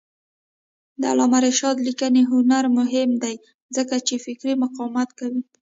د علامه رشاد لیکنی هنر مهم دی ځکه چې فکري مقاومت کوي.